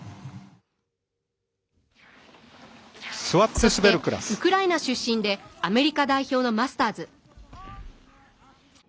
そして、ウクライナ出身でアメリカ代表のマスターズ。